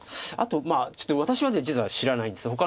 あとちょっと私は実は知らないんです。